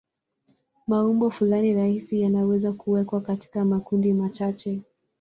Maumbo fulani rahisi yanaweza kuwekwa katika makundi machache.